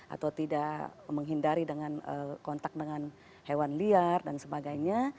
atau tidak menghindari dengan kontak dengan hewan liar dan sebagainya